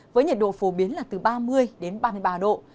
với nhiệt độ phổ biến là từ ba mươi đến ba mươi ba độ